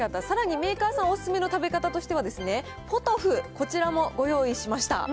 さらにメーカーさんおすすめの食べ方としては、ポトフ、こちらもご用意しました。